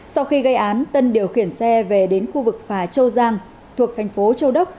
sau khi gây án tân điều khiển xe về đến khu vực phà châu giang thuộc thành phố châu đốc